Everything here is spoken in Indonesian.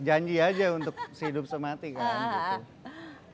janji aja untuk sehidup semati kan gitu